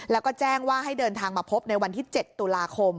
แล้วก็แจ้งว่าให้เดินทางมาพบในวันที่๗ตุลาคม